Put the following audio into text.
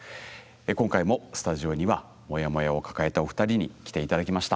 今回もスタジオにはモヤモヤを抱えたお二人に来て頂きました。